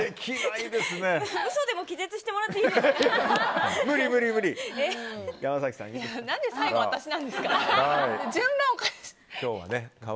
嘘でも気絶してもらっていいですか。